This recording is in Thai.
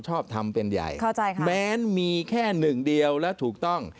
ชอบทำเป็นใหญ่แม้มีแค่หนึ่งเดียวแล้วถูกต้อง